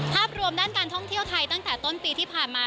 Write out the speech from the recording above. ภาพรวมด้านการท่องเที่ยวไทยตั้งแต่ต้นปีที่ผ่านมา